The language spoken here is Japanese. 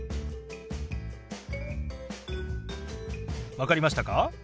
分かりましたか？